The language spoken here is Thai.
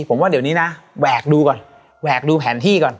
ผมว่าเดี๋ยวนี้นะแหวกดูก่อนแหวกดูแผนที่ก่อน